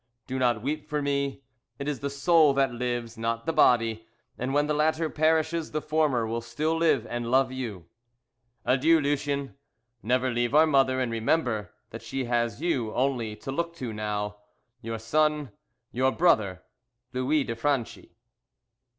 "Do not weep for me. It is the soul that lives, not the body, and when the latter perishes the former will still live and love you. "Adieu, Lucien! Never leave our mother; and remember that she has you only to look to now. "Your Son, "Your Brother, "LOUIS DE FRANCHI."